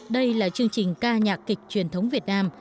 đây là chương trình ca nhạc kịch truyền thống việt nam